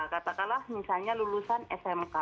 katakanlah misalnya lulusan smk